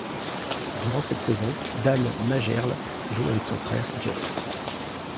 Durant cette saison, Dan Majerle joue avec son frère, Jeff.